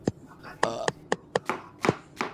فرهنګي نفوذ بېرته راوستل او د منځنۍ آسیا د